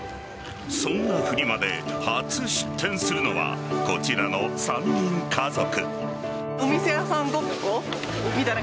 そんなフリマで初出店するのはこちらの３人家族。